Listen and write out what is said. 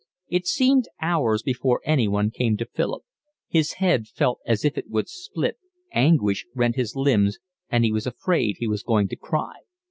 It seemed hours before anyone came to Philip. His head felt as if it would split, anguish rent his limbs, and he was afraid he was going to cry.